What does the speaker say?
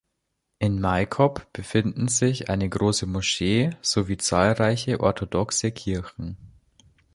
In Maikop befinden sich eine große Moschee sowie zahlreiche orthodoxe Kirchen.